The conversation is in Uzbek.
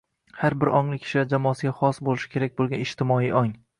Har bir ongli kishilar jamoasiga xos bo‘lishi kerak bo‘lgan ijtimoiy ong